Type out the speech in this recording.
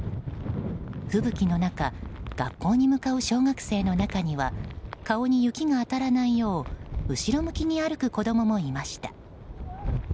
吹雪の中学校に向かう小学生の中には顔に雪が当たらないよう後ろ向きに歩く子供もいました。